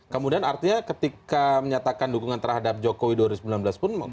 kemudian artinya ketika menyatakan dukungan terhadap jokowi dua ribu sembilan belas pun